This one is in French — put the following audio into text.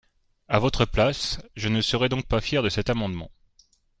À votre place, je ne serai donc pas fier de cet amendement.